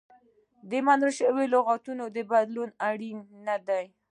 د منل شویو لغتونو بدلول اړین نه دي.